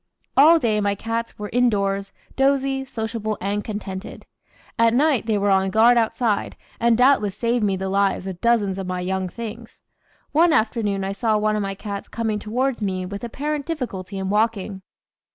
All day my cats were indoors, dozy, sociable, and contented. At night they were on guard outside, and doubtless saved me the lives of dozens of my "young things." One afternoon I saw one of my cats coming towards me with apparent difficulty in walking.